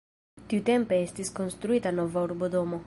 Tiutempe estis konstruita nova urbodomo.